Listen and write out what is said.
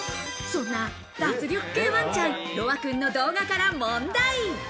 そんな脱力系わんちゃんロアくんの動画から問題。